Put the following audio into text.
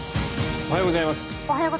おはようございます。